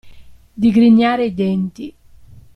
Digrignare i denti.